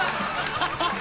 ハハハハ！